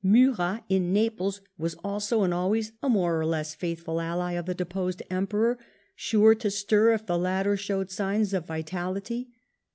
Murat, in Naples, was also and always a more or less faithful ally of the deposed Emperor, sure to stir if the latter showed signs of vitality.